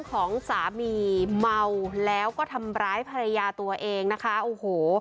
ของสามีเมาแล้วก็ทำร้ายภรรยาตัวเองนะคะโอ้โห